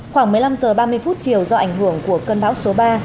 khoảng một mươi năm h ba mươi chiều do ảnh hưởng của cơn bão xuống